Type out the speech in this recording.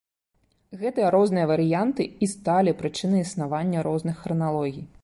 Гэтыя розныя варыянты і сталі прычынай існавання розных храналогіі.